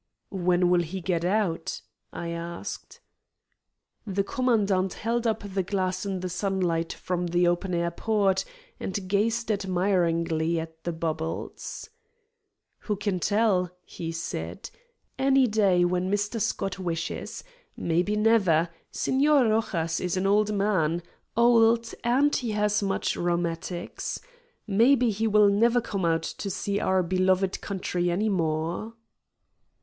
"When will he get out?" I asked. The commandant held up the glass in the sunlight from the open air port, and gazed admiringly at the bubbles. "Who can tell," he said. "Any day when Mr. Scott wishes. Maybe, never. Senor Rojas is an old man. Old, and he has much rheumatics. Maybe, he will never come out to see our beloved country any more."